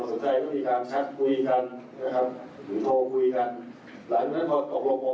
เจนตี้เสร็จแล้วก็ต้องทำรอดเขา